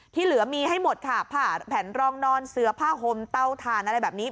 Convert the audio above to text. เหลือมีให้หมดค่ะผ่าแผ่นรองนอนเสือผ้าห่มเตาถ่านอะไรแบบนี้